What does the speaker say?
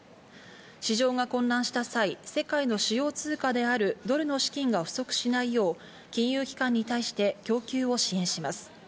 市場が混乱した際、世界の主要通貨であるドルの資金が不足しないよう、金融機関に対して供給を支援します。